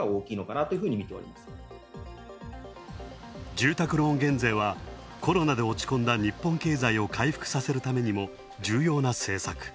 住宅ローン減税はコロナで落ち込んだ日本経済を回復させるために重要な政策。